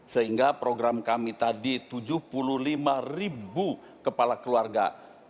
sehingga program kami tadi tujuh puluh lima ribu kepala keluarga